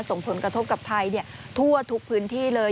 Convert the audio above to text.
ส่งผลกระทบกับภัยทั่วทุกพื้นที่เลย